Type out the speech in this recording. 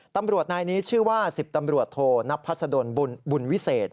ตำรวจนายนี้ชื่อว่า๑๐ตำรวจโทนับพัศดลบุญวิเศษ